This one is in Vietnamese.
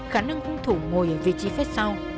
khả năng hung thủ ngồi ở vị trí phía sau